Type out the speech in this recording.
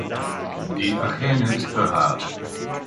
Die Achäne ist behaart.